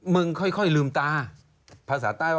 มึงค่อยลืมตา